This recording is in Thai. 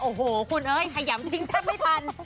โอ้โหคุณเอ้ยขยำทิ้งแทบไม่ทัน